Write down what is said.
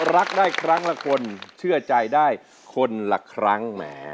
รักได้ครั้งละคนเชื่อใจได้คนละครั้งแหม